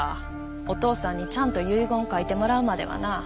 お父さんにちゃんと遺言を書いてもらうまではな。